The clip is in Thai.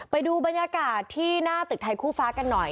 ไปดูบรรยากาศที่หน้าตึกไทยคู่ฟ้ากันหน่อย